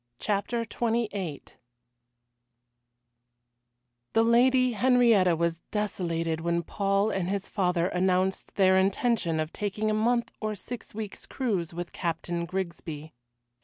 CHAPTER XXVIII The Lady Henrietta was desolated when Paul and his father announced their intention of taking a month or six weeks' cruise with Captain Grigsby.